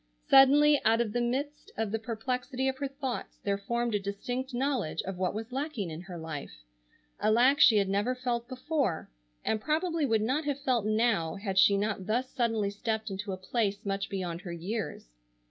Suddenly, out of the midst of the perplexity of her thoughts, there formed a distinct knowledge of what was lacking in her life, a lack she had never felt before, and probably would not have felt now had she not thus suddenly stepped into a place much beyond her years.